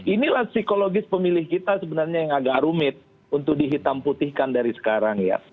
inilah psikologis pemilih kita sebenarnya yang agak rumit untuk dihitam putihkan dari sekarang ya